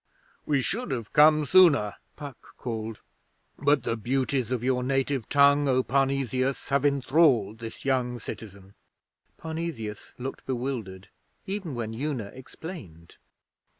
'We should have come sooner,' Puck called, 'but the beauties of your native tongue, O Parnesius, have enthralled this young citizen.' Parnesius looked bewildered, even when Una explained.